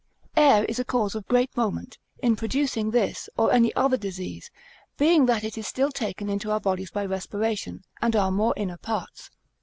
Air is a cause of great moment, in producing this, or any other disease, being that it is still taken into our bodies by respiration, and our more inner parts.